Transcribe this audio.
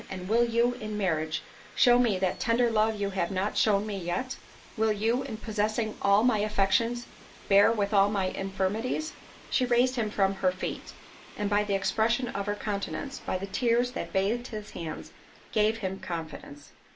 and will you, in marriage, show me that tender love you have not shown me yet? Will you, in possessing all my affections, bear with all my infirmities?" She raised him from her feet, and by the expression of her countenance, by the tears that bathed his hands, gave him confidence.